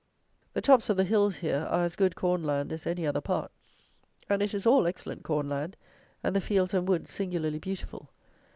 The tops of the hills here are as good corn land as any other part; and it is all excellent corn land, and the fields and woods singularly beautiful.